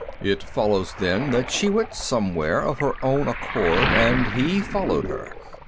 "It follows, then, that she went somewhere of her own accord and he followed her.